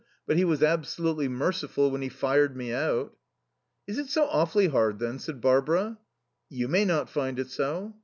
"But he was absolutely merciful when he fired me out." "Is it so awfully hard then?" said Barbara. "You may not find it so."